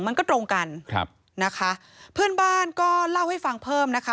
มันก็ตรงกันครับนะคะเพื่อนบ้านก็เล่าให้ฟังเพิ่มนะคะ